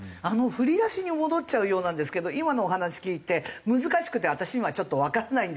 振り出しに戻っちゃうようなんですけど今のお話聞いて難しくて私今ちょっとわかんないんですけど。